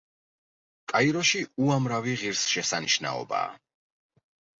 კაიროში უამრავი ღირსშესანიშნაობაა.